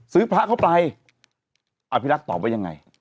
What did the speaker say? พระเข้าไปอภิรักษ์ตอบว่ายังไง